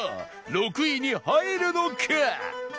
６位に入るのか？